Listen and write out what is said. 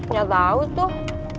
gak tau tuh